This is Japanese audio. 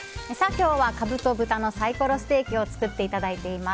今日はカブと豚のサイコロステーキを作っていただいています。